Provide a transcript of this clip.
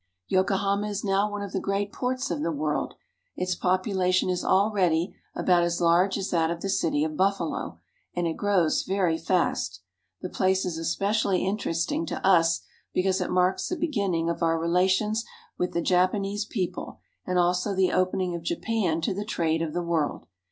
Yokohama is now one of the great ports of the world. Its population is already about as large as that of the city of Buffalo, and it grows very fast. The place is especially interesting to us because it marks the beginning of our relations with the Japanese people and also the opening of Japan to the trade of the world.